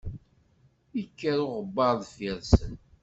Ikker uɣebbaṛ deffir-sen.